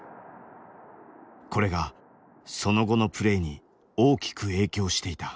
これがその後のプレーに大きく影響していた。